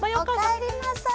おかえりなさい。